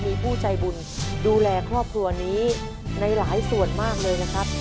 มีผู้ใจบุญดูแลครอบครัวนี้ในหลายส่วนมากเลยนะครับ